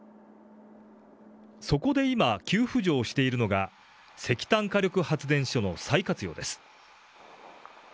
そこで今、急浮上しているのが石炭火力発電所の再活用です。